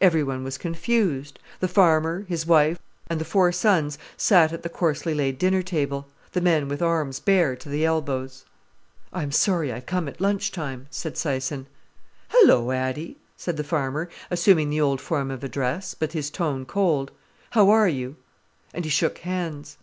Everyone was confused. The farmer, his wife, and the four sons sat at the coarsely laid dinner table, the men with arms bare to the elbows. "I am sorry I come at lunch time," said Syson. "Hello, Addy!" said the farmer, assuming the old form of address, but his tone cold. "How are you?" And he shook hands.